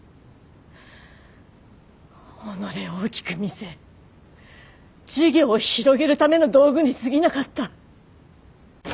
己を大きく見せ事業を広げるための道具にすぎなかった。